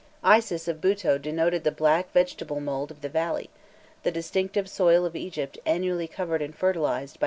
Isis of Bûto denoted the black vegetable mould of the valley, the distinctive soil of Egypt annually covered and fertilized by the inundation.